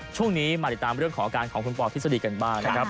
ช่วงนี้มาติดตามเรื่องของอาการของคุณปอทฤษฎีกันบ้างนะครับ